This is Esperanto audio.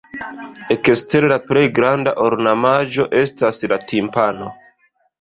Ekstere la plej granda ornamaĵo estas la timpano.